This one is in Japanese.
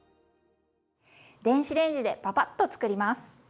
電子レンジでパパッと作ります。